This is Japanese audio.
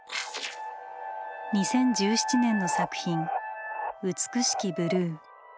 ２０１７年の作品「美しきブルー」。